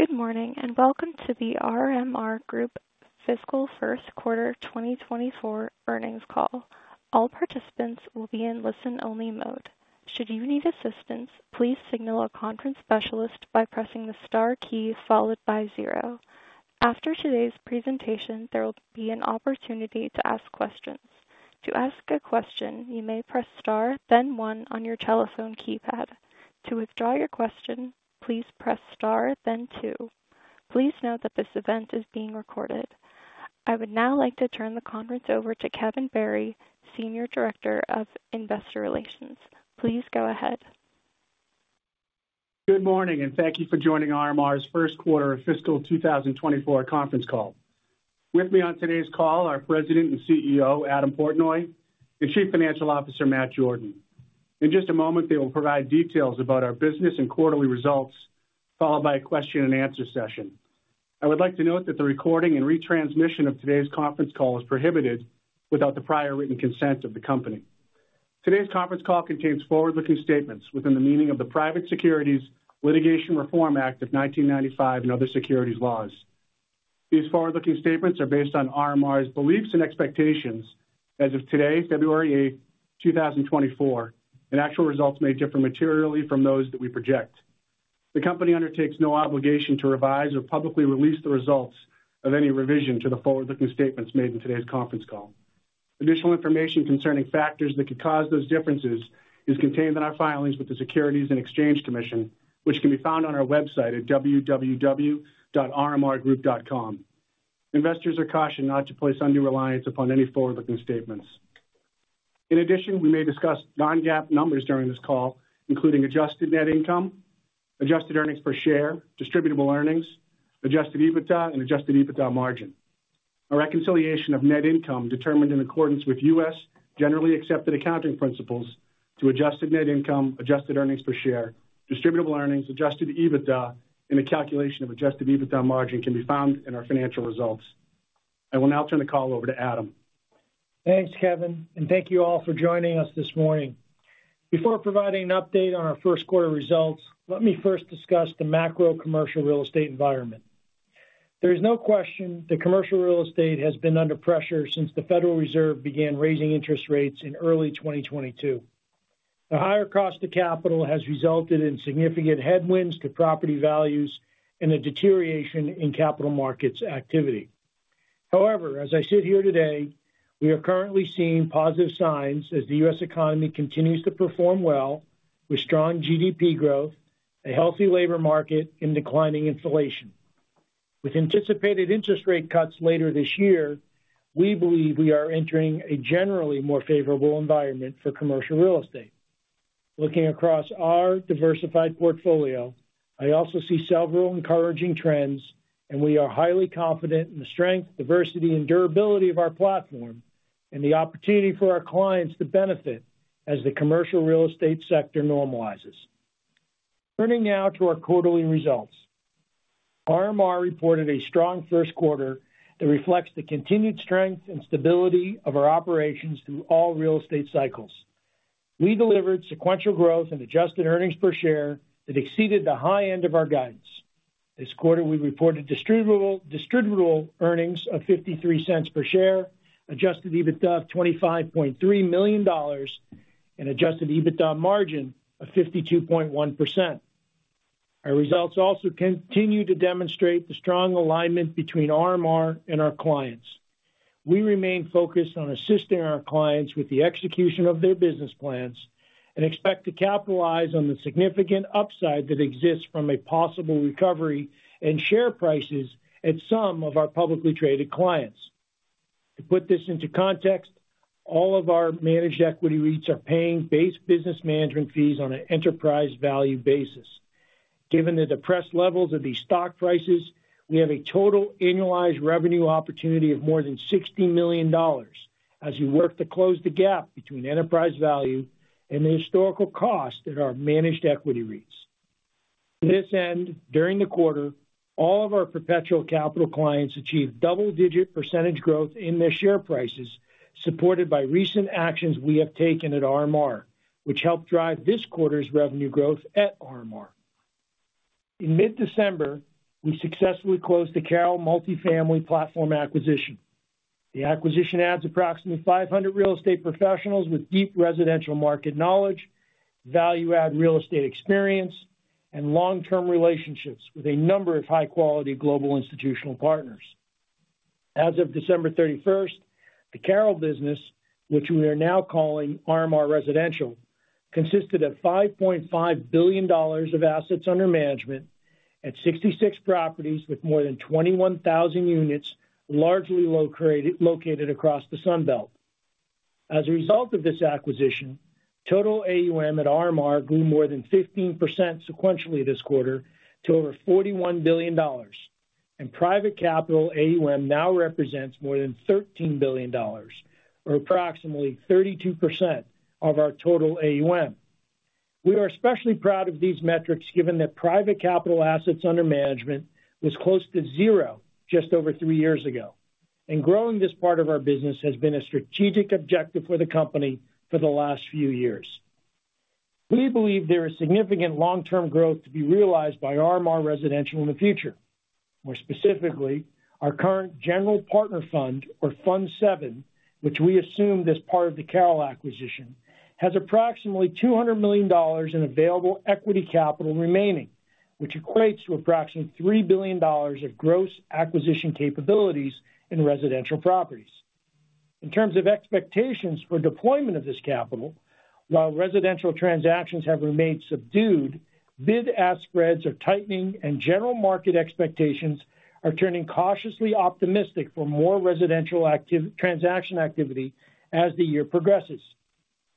Good morning, and welcome to The RMR Group Fiscal First Quarter 2024 earnings call. All participants will be in listen-only mode. Should you need assistance, please signal a conference specialist by pressing the star key followed by zero. After today's presentation, there will be an opportunity to ask questions. To ask a question, you may press star, then one on your telephone keypad. To withdraw your question, please press star, then two. Please note that this event is being recorded. I would now like to turn the conference over to Kevin Barry, Senior Director of Investor Relations. Please go ahead. Good morning, and thank you for joining RMR's first quarter of fiscal 2024 conference call. With me on today's call are President and CEO, Adam Portnoy, and Chief Financial Officer, Matt Jordan. In just a moment, they will provide details about our business and quarterly results, followed by a question-and-answer session. I would like to note that the recording and retransmission of today's conference call is prohibited without the prior written consent of the company. Today's conference call contains forward-looking statements within the meaning of the Private Securities Litigation Reform Act of 1995 and other securities laws. These forward-looking statements are based on RMR's beliefs and expectations as of today, February 8, 2024, and actual results may differ materially from those that we project. The company undertakes no obligation to revise or publicly release the results of any revision to the forward-looking statements made in today's conference call. Additional information concerning factors that could cause those differences is contained in our filings with the Securities and Exchange Commission, which can be found on our website at www.rmrgroup.com. Investors are cautioned not to place undue reliance upon any forward-looking statements. In addition, we may discuss non-GAAP numbers during this call, including adjusted net income, adjusted earnings per share, distributable earnings, adjusted EBITDA, and adjusted EBITDA margin. A reconciliation of net income determined in accordance with U.S. Generally Accepted Accounting Principles to adjusted net income, adjusted earnings per share, distributable earnings, adjusted EBITDA, and a calculation of adjusted EBITDA margin can be found in our financial results. I will now turn the call over to Adam. Thanks, Kevin, and thank you all for joining us this morning. Before providing an update on our first quarter results, let me first discuss the macro commercial real estate environment. There is no question that commercial real estate has been under pressure since the Federal Reserve began raising interest rates in early 2022. The higher cost of capital has resulted in significant headwinds to property values and a deterioration in capital markets activity. However, as I sit here today, we are currently seeing positive signs as the U.S. economy continues to perform well, with strong GDP growth, a healthy labor market, and declining inflation. With anticipated interest rate cuts later this year, we believe we are entering a generally more favorable environment for commercial real estate. Looking across our diversified portfolio, I also see several encouraging trends, and we are highly confident in the strength, diversity, and durability of our platform and the opportunity for our clients to benefit as the commercial real estate sector normalizes. Turning now to our quarterly results. RMR reported a strong first quarter that reflects the continued strength and stability of our operations through all real estate cycles. We delivered sequential growth and Adjusted earnings per share that exceeded the high end of our guidance. This quarter, we reported distributable, distributable earnings of $0.53 per share, Adjusted EBITDA of $25.3 million, and Adjusted EBITDA margin of 52.1%. Our results also continue to demonstrate the strong alignment between RMR and our clients. We remain focused on assisting our clients with the execution of their business plans and expect to capitalize on the significant upside that exists from a possible recovery in share prices at some of our publicly traded clients. To put this into context, all of our managed equity REITs are paying base business management fees on an enterprise value basis. Given the depressed levels of these stock prices, we have a total annualized revenue opportunity of more than $60 million as we work to close the gap between enterprise value and the historical cost at our managed equity REITs. To this end, during the quarter, all of our perpetual capital clients achieved double-digit percentage growth in their share prices, supported by recent actions we have taken at RMR, which helped drive this quarter's revenue growth at RMR. In mid-December, we successfully closed the CARROLL multifamily platform acquisition. The acquisition adds approximately 500 real estate professionals with deep residential market knowledge, value-add real estate experience, and long-term relationships with a number of high-quality global institutional partners. As of December 31st, the CARROLL business, which we are now calling RMR Residential, consisted of $5.5 billion of assets under management at 66 properties, with more than 21,000 units, largely located across the Sun Belt. As a result of this acquisition, total AUM at RMR grew more than 15% sequentially this quarter to over $41 billion, and private capital AUM now represents more than $13 billion, or approximately 32% of our total AUM. We are especially proud of these metrics, given that private capital assets under management was close to zero just over three years ago, and growing this part of our business has been a strategic objective for the company for the last few years... We believe there is significant long-term growth to be realized by RMR Residential in the future. More specifically, our current general partner fund, or Fund VII, which we assumed as part of the CARROLL acquisition, has approximately $200 million in available equity capital remaining, which equates to approximately $3 billion of gross acquisition capabilities in residential properties. In terms of expectations for deployment of this capital, while residential transactions have remained subdued, bid-ask spreads are tightening, and general market expectations are turning cautiously optimistic for more residential transaction activity as the year progresses.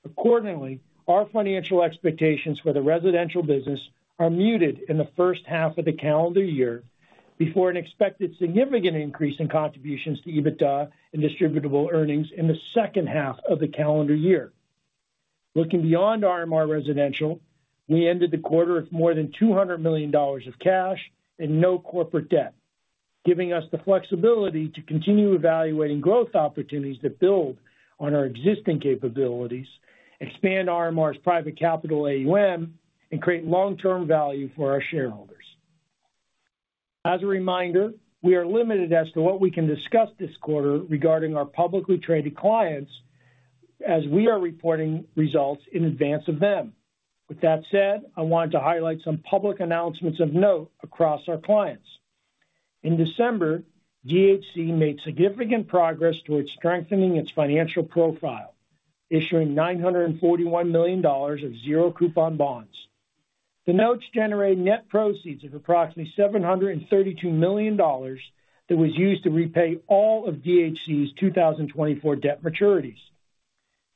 Accordingly, our financial expectations for the residential business are muted in the first half of the calendar year before an expected significant increase in contributions to EBITDA and distributable earnings in the second half of the calendar year. Looking beyond RMR Residential, we ended the quarter with more than $200 million of cash and no corporate debt, giving us the flexibility to continue evaluating growth opportunities that build on our existing capabilities, expand RMR's private capital AUM, and create long-term value for our shareholders. As a reminder, we are limited as to what we can discuss this quarter regarding our publicly traded clients as we are reporting results in advance of them. With that said, I wanted to highlight some public announcements of note across our clients. In December, DHC made significant progress towards strengthening its financial profile, issuing $941 million of zero-coupon bonds. The notes generated net proceeds of approximately $732 million that was used to repay all of DHC's 2024 debt maturities.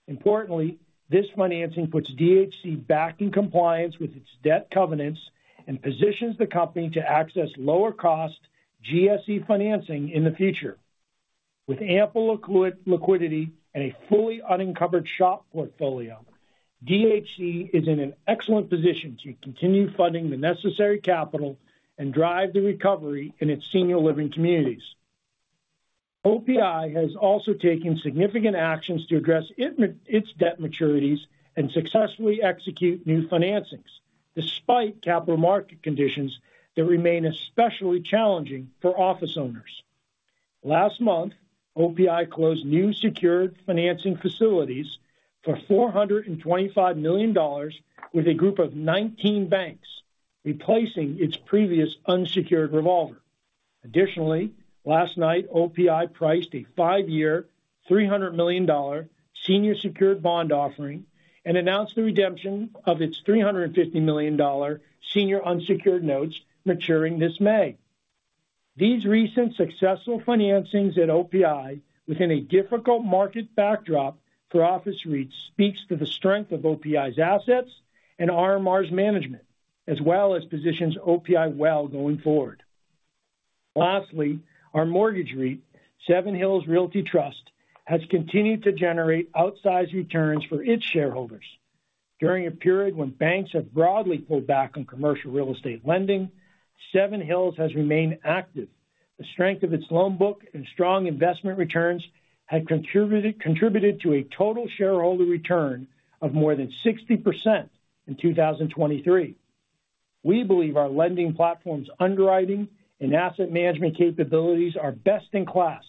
Importantly, this financing puts DHC back in compliance with its debt covenants and positions the company to access lower cost GSE financing in the future. With ample liquidity and a fully unencumbered SHOP portfolio, DHC is in an excellent position to continue funding the necessary capital and drive the recovery in its senior living communities. OPI has also taken significant actions to address it, its debt maturities and successfully execute new financings, despite capital market conditions that remain especially challenging for office owners. Last month, OPI closed new secured financing facilities for $425 million with a group of 19 banks, replacing its previous unsecured revolver. Additionally, last night, OPI priced a five-year, $300 million senior secured bond offering and announced the redemption of its $350 million senior unsecured notes maturing this May. These recent successful financings at OPI within a difficult market backdrop for office REITs speaks to the strength of OPI's assets and RMR's management, as well as positions OPI well going forward. Lastly, our mortgage REIT, Seven Hills Realty Trust, has continued to generate outsized returns for its shareholders. During a period when banks have broadly pulled back on commercial real estate lending, Seven Hills has remained active. The strength of its loan book and strong investment returns have contributed to a total shareholder return of more than 60% in 2023. We believe our lending platform's underwriting and asset management capabilities are best in class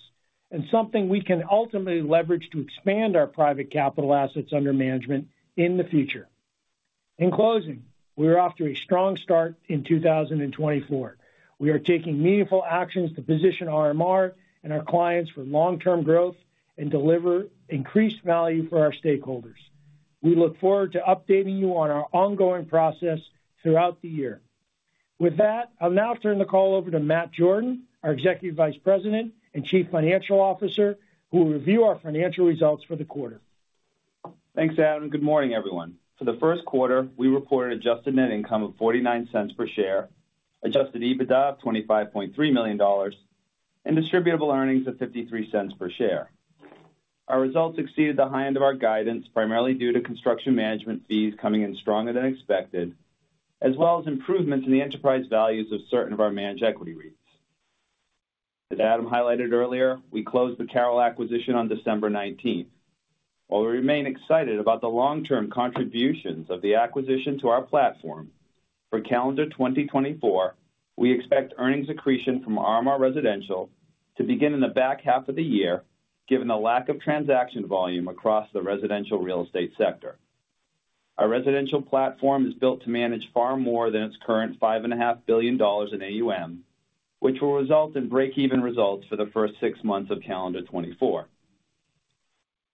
and something we can ultimately leverage to expand our private capital assets under management in the future. In closing, we are off to a strong start in 2024. We are taking meaningful actions to position RMR and our clients for long-term growth and deliver increased value for our stakeholders. We look forward to updating you on our ongoing process throughout the year. With that, I'll now turn the call over to Matt Jordan, our Executive Vice President and Chief Financial Officer, who will review our financial results for the quarter. Thanks, Adam. Good morning, everyone. For the first quarter, we reported Adjusted Net Income of $0.49 per share, Adjusted EBITDA of $25.3 million, and Distributable Earnings of $0.53 per share. Our results exceeded the high end of our guidance, primarily due to construction management fees coming in stronger than expected, as well as improvements in the enterprise values of certain of our managed equity REITs. As Adam highlighted earlier, we closed the CARROLL acquisition on December nineteenth. While we remain excited about the long-term contributions of the acquisition to our platform, for calendar 2024, we expect earnings accretion from RMR Residential to begin in the back half of the year, given the lack of transaction volume across the residential real estate sector. Our residential platform is built to manage far more than its current $5.5 billion in AUM, which will result in break-even results for the first six months of calendar 2024.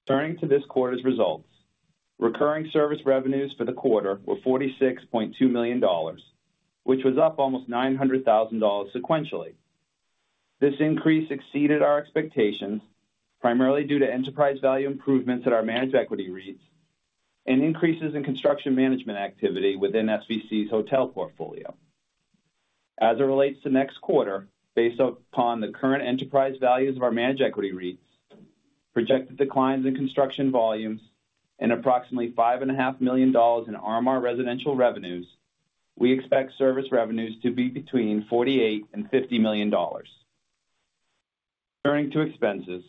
Turning to this quarter's results. Recurring service revenues for the quarter were $46.2 million, which was up almost $900,000 sequentially. This increase exceeded our expectations, primarily due to enterprise value improvements at our managed equity REITs and increases in construction management activity within SVC's hotel portfolio. As it relates to next quarter, based upon the current enterprise values of our managed equity REITs, projected declines in construction volumes, and approximately $5.5 million in RMR Residential revenues, we expect service revenues to be between $48 million and $50 million. Turning to expenses.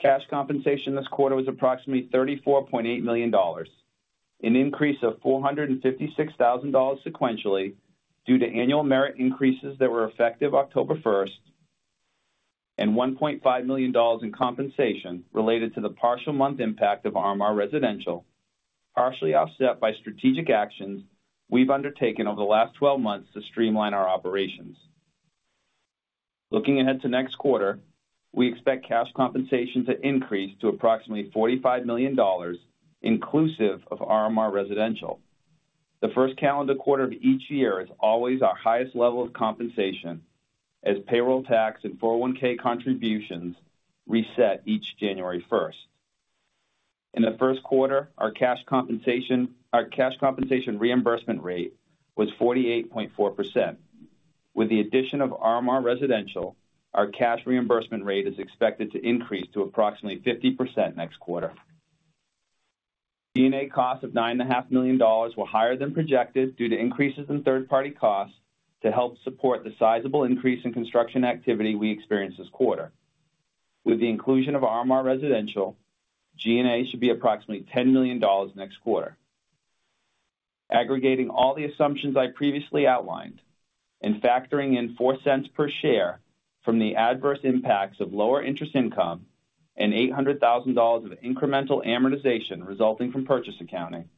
Cash compensation this quarter was approximately $34.8 million, an increase of $456,000 sequentially due to annual merit increases that were effective October 1st, and $1.5 million in compensation related to the partial month impact of RMR Residential, partially offset by strategic actions we've undertaken over the last 12 months to streamline our operations. Looking ahead to next quarter, we expect cash compensation to increase to approximately $45 million, inclusive of RMR Residential. The first calendar quarter of each year is always our highest level of compensation, as payroll tax and 401(k) contributions reset each January 1st. In the first quarter, our cash compensation reimbursement rate was 48.4%. With the addition of RMR Residential, our cash reimbursement rate is expected to increase to approximately 50% next quarter. G&A costs of $9.5 million were higher than projected due to increases in third-party costs to help support the sizable increase in construction activity we experienced this quarter. With the inclusion of RMR Residential, G&A should be approximately $10 million next quarter. Aggregating all the assumptions I previously outlined and factoring in $0.04 per share from the adverse impacts of lower interest income and $800,000 of incremental amortization resulting from purchase accounting,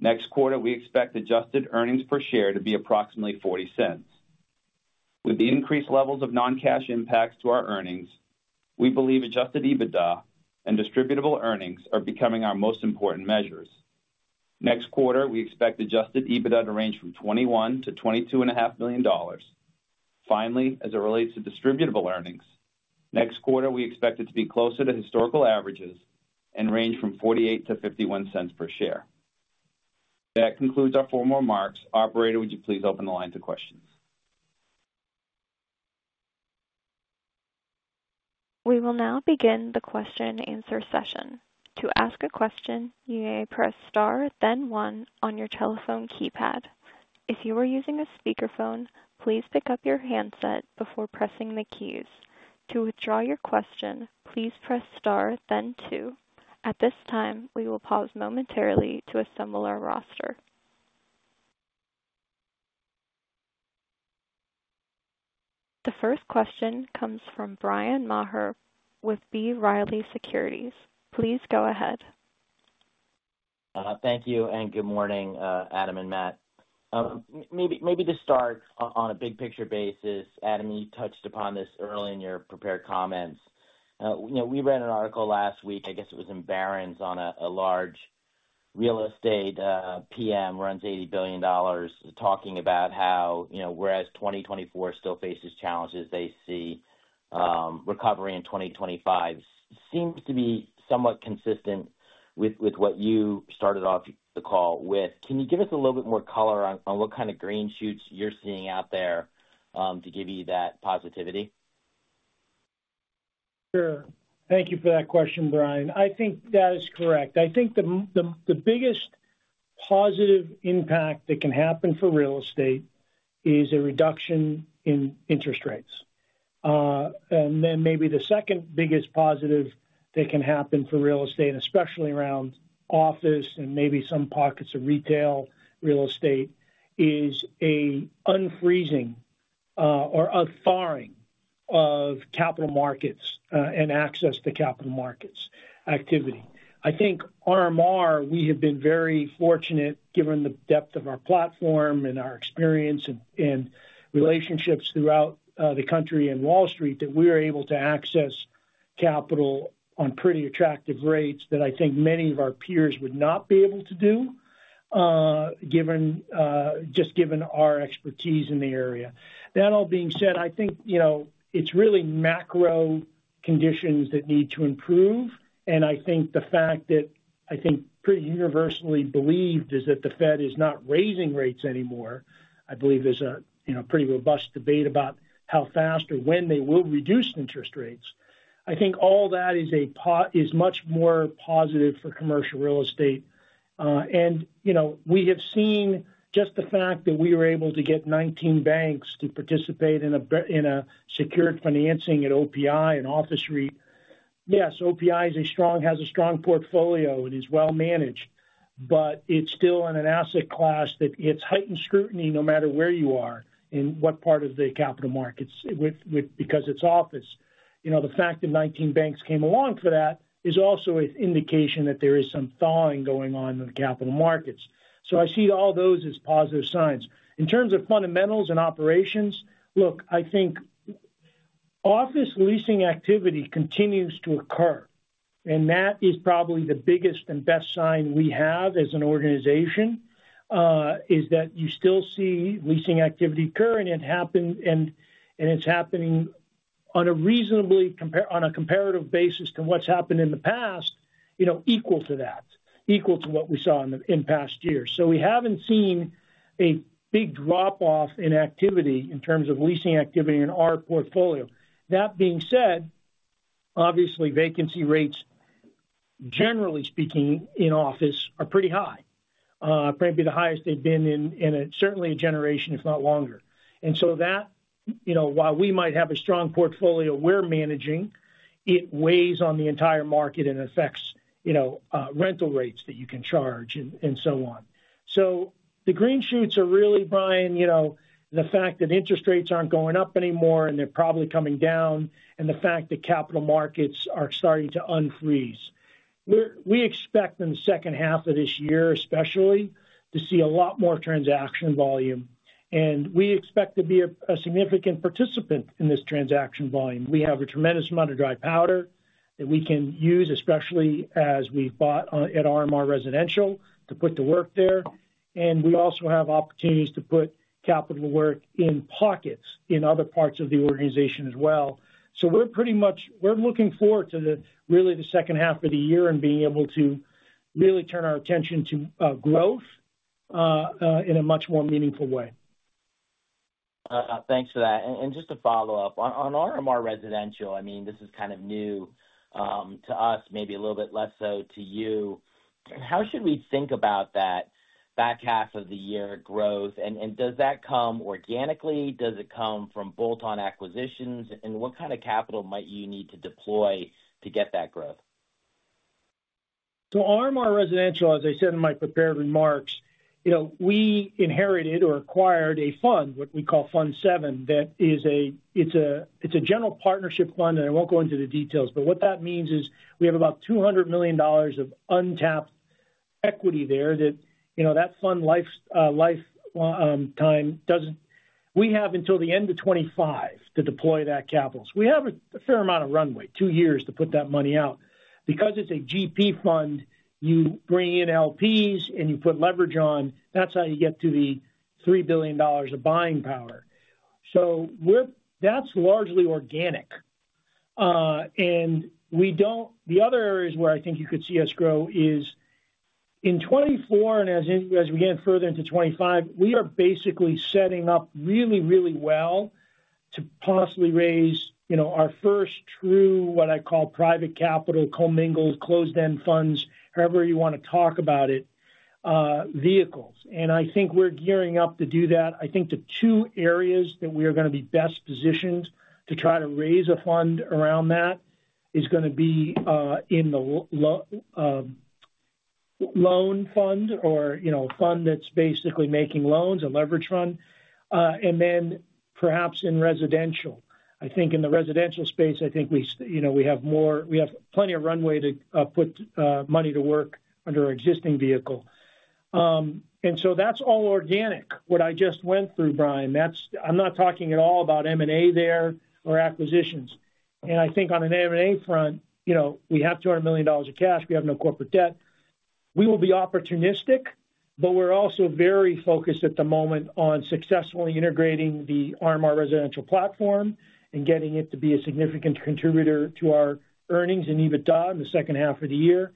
next quarter, we expect adjusted earnings per share to be approximately $0.40. With the increased levels of non-cash impacts to our earnings, we believe adjusted EBITDA and distributable earnings are becoming our most important measures. Next quarter, we expect adjusted EBITDA to range from $21 million-$22.5 million. Finally, as it relates to distributable earnings, next quarter, we expect it to be closer to historical averages and range from $0.48-$0.51 per share. That concludes our formal remarks. Operator, would you please open the line to questions? We will now begin the question-and-answer session. To ask a question, you may press star, then one on your telephone keypad. If you are using a speakerphone, please pick up your handset before pressing the keys. To withdraw your question, please press star then two. At this time, we will pause momentarily to assemble our roster. The first question comes from Bryan Maher with B. Riley Securities. Please go ahead. Thank you, and good morning, Adam and Matt. Maybe to start on a big picture basis, Adam, you touched upon this early in your prepared comments. You know, we read an article last week, I guess it was in Barron's, on a large real estate PM, runs $80 billion, talking about how, you know, whereas 2024 still faces challenges, they see recovery in 2025. Seems to be somewhat consistent with what you started off the call with. Can you give us a little bit more color on what kind of green shoots you're seeing out there to give you that positivity? Sure. Thank you for that question, Bryan. I think that is correct. I think the biggest positive impact that can happen for real estate is a reduction in interest rates. And then maybe the second biggest positive that can happen for real estate, especially around office and maybe some pockets of retail real estate, is a unfreezing or a thawing of capital markets and access to capital markets activity. I think RMR, we have been very fortunate, given the depth of our platform and our experience and relationships throughout the country and Wall Street, that we are able to access capital on pretty attractive rates that I think many of our peers would not be able to do, given our expertise in the area. That all being said, I think, you know, it's really macro conditions that need to improve, and I think the fact that I think pretty universally believed is that the Fed is not raising rates anymore. I believe there's a, you know, pretty robust debate about how fast or when they will reduce interest rates. I think all that is is much more positive for commercial real estate. And, you know, we have seen just the fact that we were able to get 19 banks to participate in a secured financing at OPI and Office REIT. Yes, OPI has a strong portfolio and is well managed, but it's still in an asset class that gets heightened scrutiny no matter where you are in what part of the capital markets, with because it's office. You know, the fact that 19 banks came along for that is also an indication that there is some thawing going on in the capital markets. So I see all those as positive signs. In terms of fundamentals and operations, look, I think office leasing activity continues to occur, and that is probably the biggest and best sign we have as an organization, is that you still see leasing activity occur, and it happened, and it's happening on a comparative basis to what's happened in the past, you know, equal to that, equal to what we saw in the, in past years. So we haven't seen a big drop-off in activity in terms of leasing activity in our portfolio. That being said, obviously, vacancy rates-... Generally speaking, in office are pretty high, uh, probably the highest they've been in, in a certainly a generation, if not longer. And so that, you know, while we might have a strong portfolio we're managing, it weighs on the entire market and affects, you know, rental rates that you can charge and, and so on. So the green shoots are really buying, you know, the fact that interest rates aren't going up anymore, and they're probably coming down, and the fact that capital markets are starting to unfreeze. We expect in the second half of this year, especially, to see a lot more transaction volume, and we expect to be a significant participant in this transaction volume. We have a tremendous amount of dry powder that we can use, especially as we've bought on at RMR Residential, to put to work there. We also have opportunities to put capital to work in pockets in other parts of the organization as well. We're pretty much... We're looking forward to, really, the second half of the year and being able to really turn our attention to growth in a much more meaningful way. Thanks for that. And just to follow up on RMR Residential, I mean, this is kind of new to us, maybe a little bit less so to you. How should we think about that back half of the year growth? And does that come organically? Does it come from bolt-on acquisitions? And what kind of capital might you need to deploy to get that growth? So RMR Residential, as I said in my prepared remarks, you know, we inherited or acquired a fund, what we call Fund VII. That is a—it's a general partnership fund, and I won't go into the details. But what that means is we have about $200 million of untapped equity there that, you know, that fund lifetime doesn't— We have until the end of 2025 to deploy that capital. So we have a fair amount of runway, two years to put that money out. Because it's a GP fund, you bring in LPs, and you put leverage on. That's how you get to the $3 billion of buying power. So we're— That's largely organic. And we don't-- The other areas where I think you could see us grow is, in 2024, and as we get further into 2025, we are basically setting up really, really well to possibly raise, you know, our first true, what I call, private capital, commingled, closed-end funds, however you want to talk about it, vehicles. And I think we're gearing up to do that. I think the two areas that we are going to be best positioned to try to raise a fund around that is going to be, in the loan fund or, you know, a fund that's basically making loans, a leverage fund, and then perhaps in residential. I think in the residential space, I think we, you know, we have more-- we have plenty of runway to put money to work under our existing vehicle. and so that's all organic, what I just went through, Bryan. That's. I'm not talking at all about M&A there or acquisitions. And I think on an M&A front, you know, we have $200 million of cash. We have no corporate debt. We will be opportunistic, but we're also very focused at the moment on successfully integrating the RMR Residential platform and getting it to be a significant contributor to our earnings and EBITDA in the second half of the year,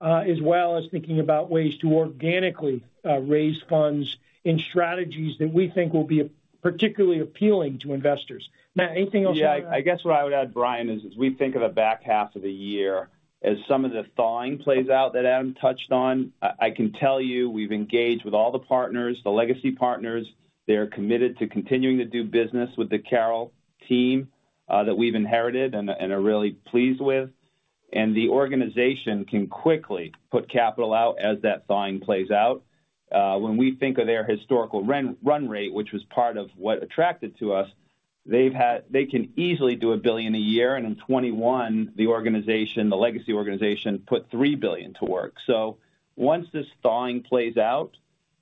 as well as thinking about ways to organically, raise funds in strategies that we think will be particularly appealing to investors. Matt, anything else you want to add? Yeah, I guess what I would add, Bryan, is as we think of the back half of the year, as some of the thawing plays out that Adam touched on, I can tell you, we've engaged with all the partners, the legacy partners. They're committed to continuing to do business with the CARROLL team that we've inherited and are really pleased with. And the organization can quickly put capital out as that thawing plays out. When we think of their historical run rate, which was part of what attracted to us, they can easily do $1 billion a year, and in 2021, the organization, the legacy organization, put $3 billion to work. So once this thawing plays out,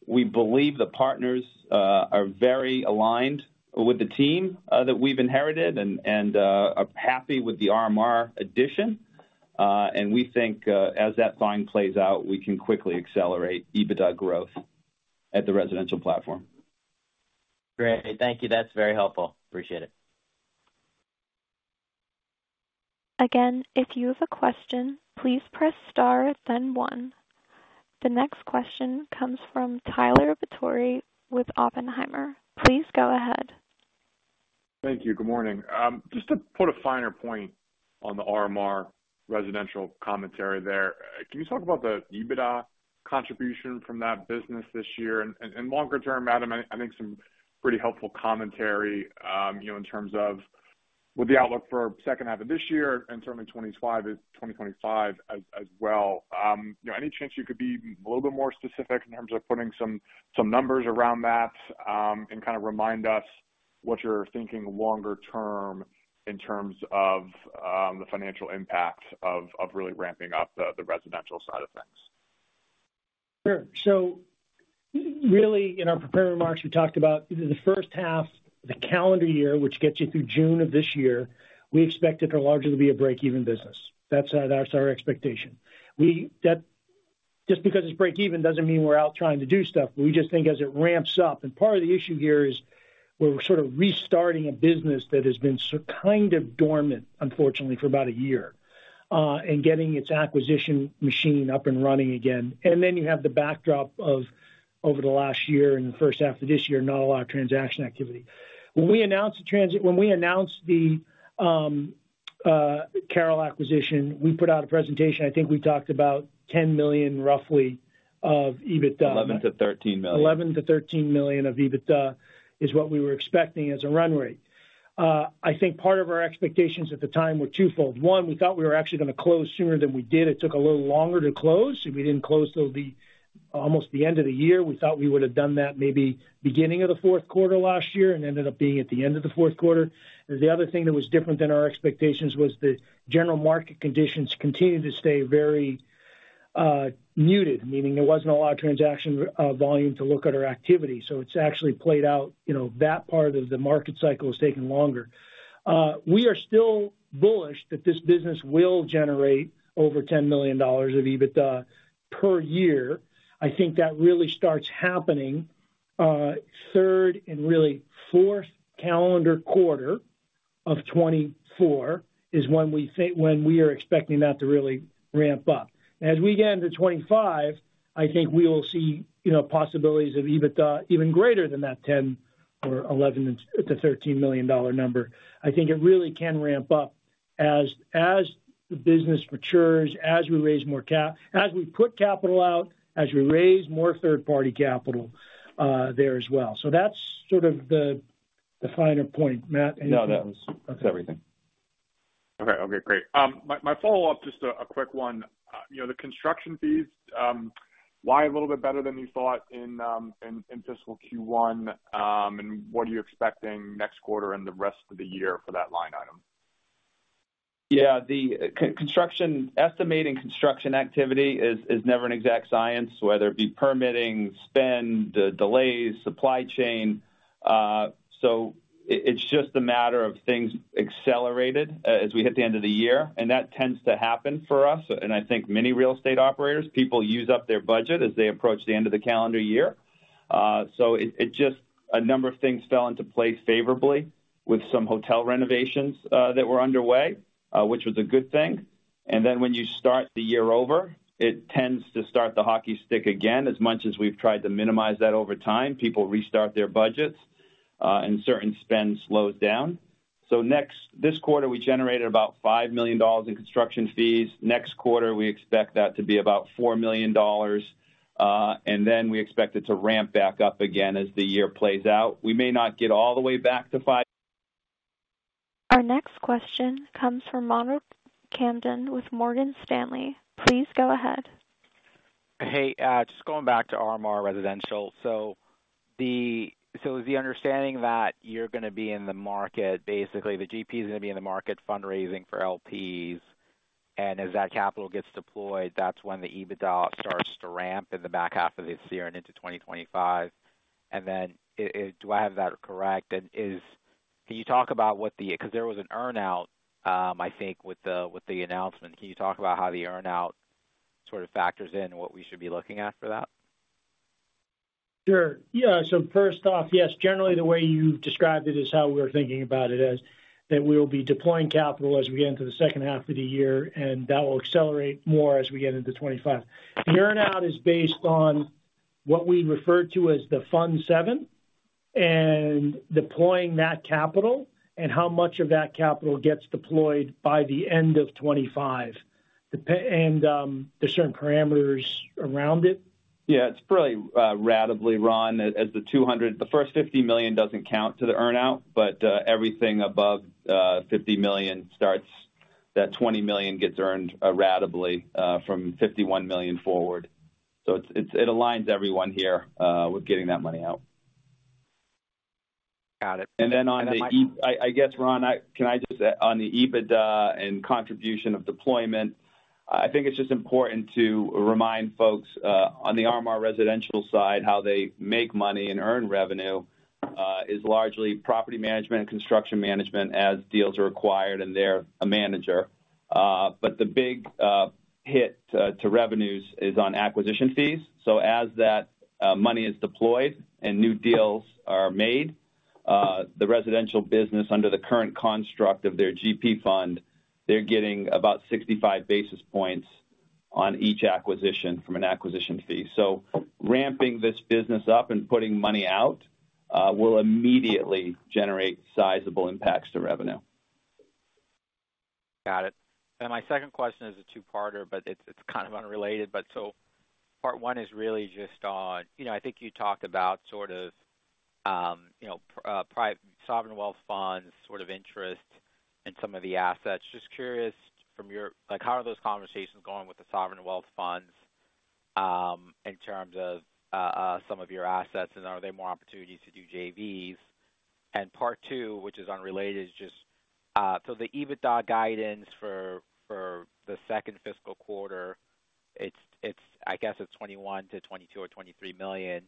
we believe the partners are very aligned with the team that we've inherited and are happy with the RMR addition. We think, as that thawing plays out, we can quickly accelerate EBITDA growth at the residential platform. Great. Thank you. That's very helpful. Appreciate it. Again, if you have a question, please press star, then one. The next question comes from Tyler Batory with Oppenheimer. Please go ahead. Thank you. Good morning. Just to put a finer point on the RMR Residential commentary there, can you talk about the EBITDA contribution from that business this year? And longer term, Adam, I think some pretty helpful commentary, you know, in terms of what the outlook for second half of this year and term in 25, 2025 as well. You know, any chance you could be a little bit more specific in terms of putting some numbers around that, and kind of remind us what you're thinking longer term in terms of the financial impact of really ramping up the residential side of things? Sure. So really, in our prepared remarks, we talked about the first half of the calendar year, which gets you through June of this year, we expect it to largely be a break-even business. That's, that's our expectation. Just because it's break even, doesn't mean we're out trying to do stuff. We just think as it ramps up, and part of the issue here is we're sort of restarting a business that has been so kind of dormant, unfortunately, for about a year, and getting its acquisition machine up and running again. And then you have the backdrop of over the last year and the first half of this year, not a lot of transaction activity. When we announced the CARROLL acquisition, we put out a presentation. I think we talked about roughly $10 million of EBITDA. $11 million-$13 million. $11 million-$13 million of EBITDA is what we were expecting as a run rate. I think part of our expectations at the time were twofold. One, we thought we were actually going to close sooner than we did. It took a little longer to close, and we didn't close till almost the end of the year. We thought we would have done that maybe beginning of the fourth quarter last year and ended up being at the end of the fourth quarter. The other thing that was different than our expectations was the general market conditions continued to stay very muted, meaning there wasn't a lot of transaction volume to look at our activity. So it's actually played out, you know, that part of the market cycle has taken longer. We are still bullish that this business will generate over $10 million of EBITDA per year. I think that really starts happening, third and really fourth calendar quarter of 2024 is when we think—when we are expecting that to really ramp up. As we get into 2025, I think we will see, you know, possibilities of EBITDA even greater than that $10 or $11 million-$13 million number. I think it really can ramp up as, as the business matures, as we raise more capital, as we put capital out, as we raise more third-party capital, there as well. So that's sort of the finer point, Matt. No, that's everything. Okay. Okay, great. My follow-up, just a quick one. You know, the construction fees, why a little bit better than you thought in fiscal Q1, and what are you expecting next quarter and the rest of the year for that line item? Yeah, the construction estimating construction activity is never an exact science, whether it be permitting, spend, delays, supply chain. So it's just a matter of things accelerated as we hit the end of the year, and that tends to happen for us, and I think many real estate operators. People use up their budget as they approach the end of the calendar year. So it just a number of things fell into place favorably with some hotel renovations that were underway, which was a good thing. And then when you start the year over, it tends to start the hockey stick again. As much as we've tried to minimize that over time, people restart their budgets, and certain spend slows down. So this quarter, we generated about $5 million in construction fees. Next quarter, we expect that to be about $4 million, and then we expect it to ramp back up again as the year plays out. We may not get all the way back to 5- Our next question comes from Ronald Kamdem with Morgan Stanley. Please go ahead. Hey, just going back to RMR Residential. So the understanding that you're going to be in the market, basically, the GP is going to be in the market fundraising for LPs, and as that capital gets deployed, that's when the EBITDA starts to ramp in the back half of this year and into 2025. And then, do I have that correct? And can you talk about what the... Because there was an earn-out, I think, with the announcement. Can you talk about how the earn-out sort of factors in, and what we should be looking at for that? Sure. Yeah. So first off, yes, generally, the way you described it is how we're thinking about it, is that we will be deploying capital as we get into the second half of the year, and that will accelerate more as we get into 2025. The earn-out is based on what we refer to as the Fund VII, and deploying that capital, and how much of that capital gets deployed by the end of 2025. And there's certain parameters around it. Yeah, it's probably ratably, Ron, as the 200... The first $50 million doesn't count to the earn-out, but everything above $50 million starts. That $20 million gets earned ratably from $51 million forward. So it aligns everyone here with getting that money out. Got it. And then, on the-- I guess Ron can I just say on the EBITDA and contribution of deployment, I think it's just important to remind folks, on the RMR Residential side, how they make money and earn revenue is largely property management and construction management as deals are acquired, and they're a manager. But the big hit to revenues is on acquisition fees. So as that money is deployed and new deals are made, the residential business, under the current construct of their GP fund, they're getting about 65 basis points on each acquisition from an acquisition fee. So ramping this business up and putting money out will immediately generate sizable impacts to revenue. Got it. And my second question is a two-parter, but it's kind of unrelated. But so part one is really just on... You know, I think you talked about sort of, you know, sovereign wealth funds, sort of interest in some of the assets. Just curious, from your—like, how are those conversations going with the sovereign wealth funds, in terms of, some of your assets, and are there more opportunities to do JVs? And part two, which is unrelated, is just, so the EBITDA guidance for the second fiscal quarter, it's I guess it's $21 million-$22 million or $23 million.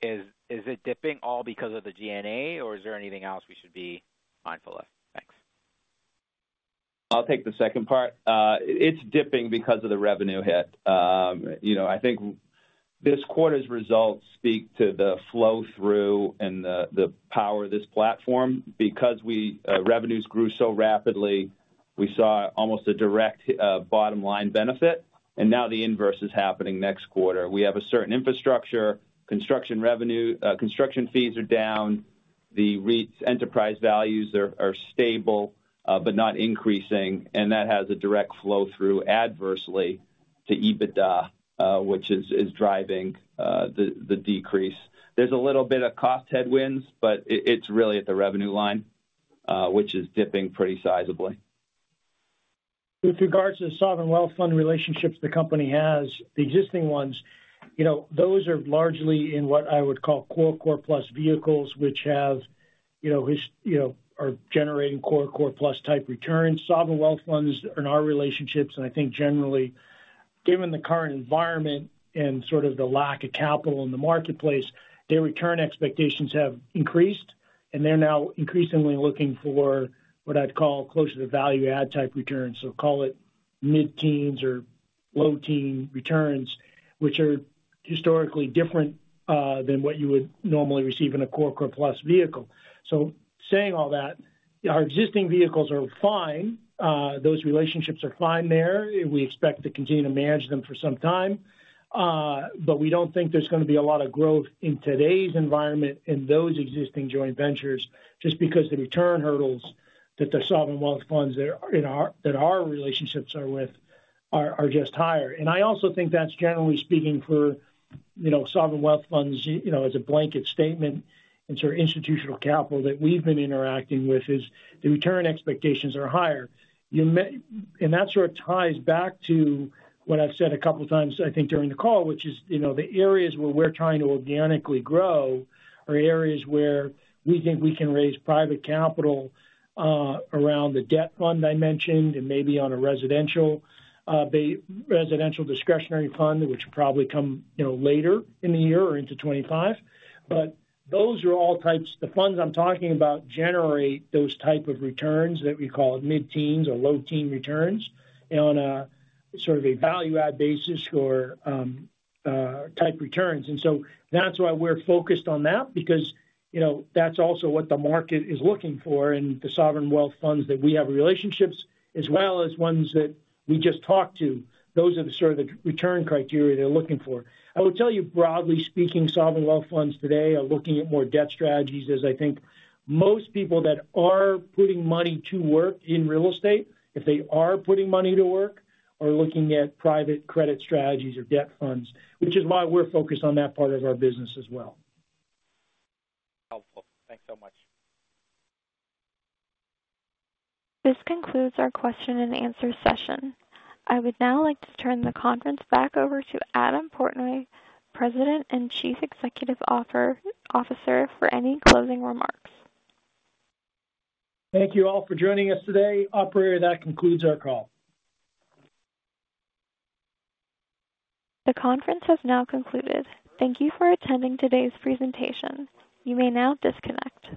Is it dipping all because of the G&A, or is there anything else we should be mindful of? Thanks. I'll take the second part. It's dipping because of the revenue hit. You know, I think this quarter's results speak to the flow-through and the power of this platform. Because we revenues grew so rapidly, we saw almost a direct bottom line benefit, and now the inverse is happening next quarter. We have a certain infrastructure, construction revenue, construction fees are down, the REIT's enterprise values are stable, but not increasing, and that has a direct flow-through adversely to EBITDA, which is driving the decrease. There's a little bit of cost headwinds, but it's really at the revenue line, which is dipping pretty sizably. With regards to the sovereign wealth fund relationships, the company has, the existing ones, you know, those are largely in what I would call core, core plus vehicles, which have, you know, which, you know, are generating core, core plus type returns. Sovereign wealth funds in our relationships, and I think generally, given the current environment and sort of the lack of capital in the marketplace, their return expectations have increased, and they're now increasingly looking for what I'd call closer to value add type returns. So call it mid-teens or low teen returns, which are historically different than what you would normally receive in a core, core plus vehicle. So saying all that, our existing vehicles are fine. Those relationships are fine there. We expect to continue to manage them for some time. But we don't think there's going to be a lot of growth in today's environment in those existing joint ventures, just because the return hurdles that the sovereign wealth funds that our relationships are with are just higher. And I also think that's generally speaking for, you know, sovereign wealth funds, you know, as a blanket statement and sort of institutional capital that we've been interacting with is the return expectations are higher. And that sort of ties back to what I've said a couple of times, I think, during the call, which is, you know, the areas where we're trying to organically grow are areas where we think we can raise private capital around the debt fund I mentioned, and maybe on a residential residential discretionary fund, which would probably come, you know, later in the year or into 2025. But those are all types... The funds I'm talking about generate those type of returns that we call mid-teens or low teen returns on a sort of a value add basis or type returns. And so that's why we're focused on that, because, you know, that's also what the market is looking for in the sovereign wealth funds that we have relationships, as well as ones that we just talked to. Those are the sort of return criteria they're looking for. I will tell you, broadly speaking, sovereign wealth funds today are looking at more debt strategies, as I think most people that are putting money to work in real estate, if they are putting money to work, are looking at private credit strategies or debt funds, which is why we're focused on that part of our business as well. Helpful. Thanks so much. This concludes our question and answer session. I would now like to turn the conference back over to Adam Portnoy, President and Chief Executive Officer, for any closing remarks. Thank you all for joining us today. Operator, that concludes our call. The conference has now concluded. Thank you for attending today's presentation. You may now disconnect.